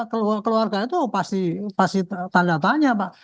keluarga keluarga itu pasti tanda tanya pak